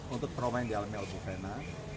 untuk trauma yang dialami oleh bu fena